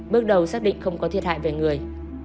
bước đầu xác định không có thiệt hại về người